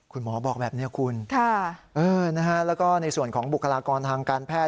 คุณหมอบอกแบบนี้คุณแล้วก็ในส่วนของบุคลากรทางการแพทย